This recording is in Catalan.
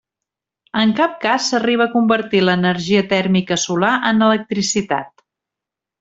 En cap cas s'arriba a convertir l'energia tèrmica solar en electricitat.